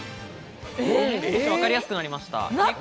わかりやすくなりました。